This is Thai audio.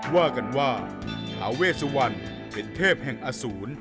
ว่ากันว่าทาเวสุวรรณเป็นเทพแห่งอสูร